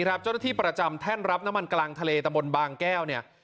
เจ้าหน้าที่ประจำแท่นรับน้ำมันกลางทะเลตะบนบางแก้วเนี่ย